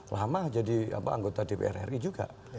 lama jadi anggota dpr ri juga